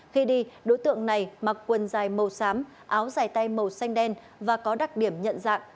khi đi đối tượng này mặc quần dài màu xám áo dài tay màu xanh đen và có đặc điểm nhận dạng